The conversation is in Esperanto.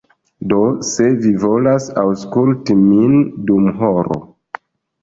Do se vi volas aŭskulti min dum horo